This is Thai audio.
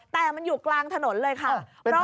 แต่มันอยู่กลางถนนเลยค่ะ